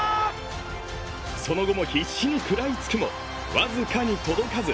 その後も必死に食らいつくも、僅かに届かず。